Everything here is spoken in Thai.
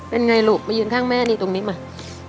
เป็นไงลูกมายืนข้างแม่นี่ตรงนี้มา